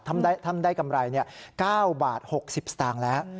ท่านได้กำไร๙บาท๖๐สตางค์แล้ว